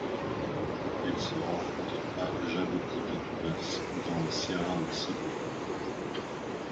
Elle se rencontre à Jaboticatubas dans la Serra do Cipó.